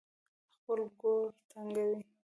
خپل ګور تنګوي.